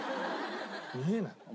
見えない。